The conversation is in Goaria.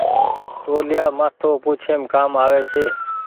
توليآ مآٿو پوڇيم ڪآم آوي ڇي ۔